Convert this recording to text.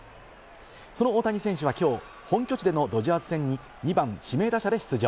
その大谷選手はきょう、本拠地でのドジャース戦に２番・指名打者で出場。